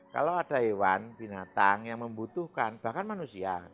kalau ada hewan binatang yang membutuhkan bahkan manusia